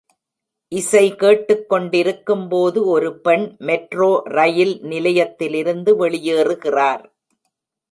இசை கேட்டுக்கொண்டிருக்கும்போது ஒரு பெண் மெட்ரோ ரயில் நிலையத்திலிருந்து வெளியேறுகிறார்.